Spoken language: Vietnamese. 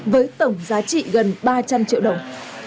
với tổng giá trị gần ba trăm linh triệu đồng